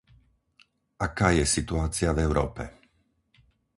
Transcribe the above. Aká je situácia v Európe?